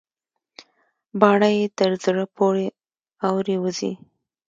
باڼه يې تر زړه پورې اورې وزي.